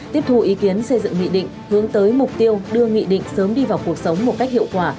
tiếp thu ý kiến xây dựng nghị định hướng tới mục tiêu đưa nghị định sớm đi vào cuộc sống một cách hiệu quả